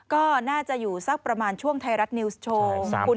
ก็น่าจะอยู่สักประมาณช่วงไทยรัฐนิวส์โชว์